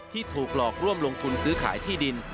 ที่ถูกหลอกร่วมลงทุนซื้อขายที่ดิน